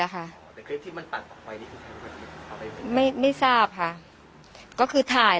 แต่คลิปที่มันปัดออกไปนี่คือใครไม่ไม่ทราบค่ะก็คือถ่าย